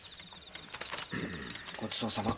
ごちそうさま。